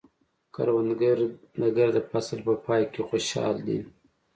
کروندګر د ګرده فصل په پای کې خوشحال دی